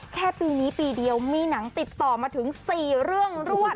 แค่ปีนี้ปีเดียวมีหนังติดต่อมาถึง๔เรื่องรวด